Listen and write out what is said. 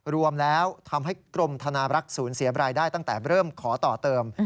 รวมแล้วทำให้กรมธนารักษ์ศูนย์เสียบรายได้ตั้งแต่เริ่มขอต่อเติม